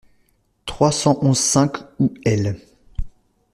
trois cent onze-cinq ou L.